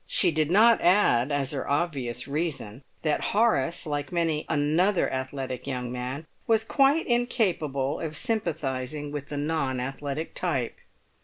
She did not add as her obvious reason that Horace, like many another athletic young man, was quite incapable of sympathising with the non athletic type.